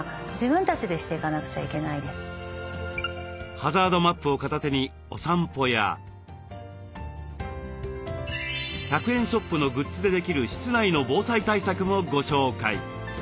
ハザードマップを片手にお散歩や１００円ショップのグッズでできる室内の防災対策もご紹介。